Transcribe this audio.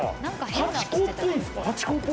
ハチ公っぽいんですか？